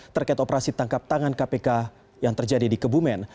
terkait operasi tangkap tangan kpk yang terjadi di kebumen